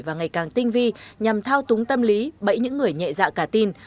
và ngày càng tinh vi nhằm thao túng tâm lý bẫy những người nhẹ dạ cả tin